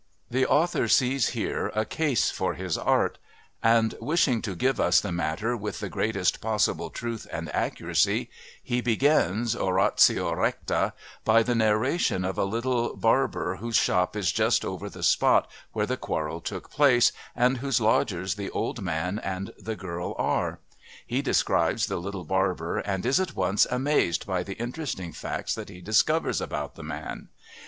The author sees here a case for his art and, wishing to give us the matter with the greatest possible truth and accuracy, he begins, oratio recta, by the narration of a little barber whose shop is just over the spot where the quarrel took place and whose lodgers the old man and the girl are. He describes the little barber and is, at once, amazed by the interesting facts that he discovers about the man.